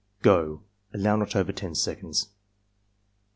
— Go!" (Allow not over 10 seconds.)